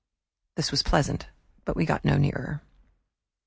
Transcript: This was pleasant, but we got no nearer.